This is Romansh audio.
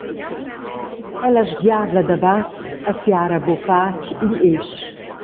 Ella sgiavla da bass e siara bufatg igl esch.